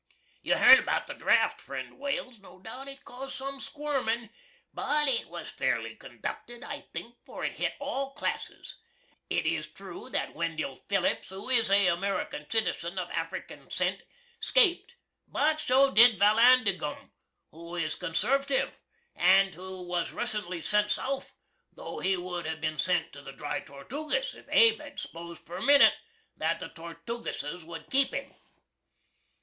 You hearn about the draft, friend Wales, no doubt. It caused sum squirmin', but it was fairly conducted, I think, for it hit all classes. It is troo that Wendill Phillips, who is a American citizen of African scent, 'scaped, but so did Vallandiggum, who is Conservativ, and who wus resuntly sent South, tho' he would have bin sent to the Dry Tortoogus if Abe had 'sposed for a minit that the Tortoogusses would keep him.